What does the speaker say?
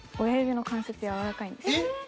えっ！？